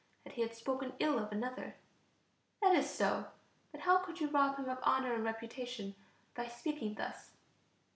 that he had spoken ill of another. That is so. But how could you rob him of honor and reputation by speaking thus?